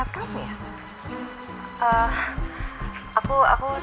aku aku temennya elsa tante